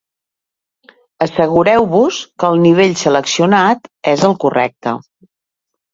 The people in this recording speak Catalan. Assegureu-vos que el nivell seleccionat és el correcte.